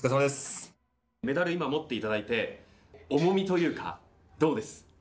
メダル、今持っていただいて重みとかどうです。